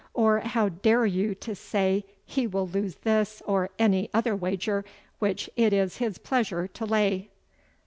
or how dare you to say he will lose this or any other wager which it is his pleasure to lay?"